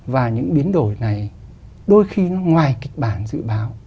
và những biến đổi này đôi khi nó ngoài kịch bản dự báo